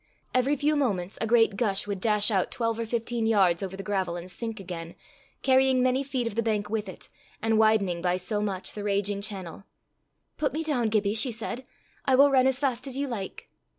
Every few moments, a great gush would dash out twelve or fifteen yards over the gravel and sink again, carrying many feet of the bank with it, and widening by so much the raging channel. "Put me down, Gibbie," she said; "I will run as fast as you like."